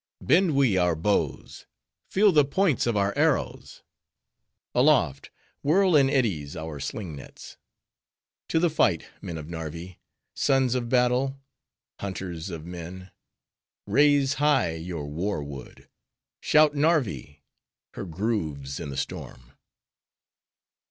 Bend we our bows, feel the points of our arrows: Aloft, whirl in eddies our sling nets; To the fight, men of Narvi! Sons of battle! Hunters of men! Raise high your war wood! Shout Narvi! her groves in the storm!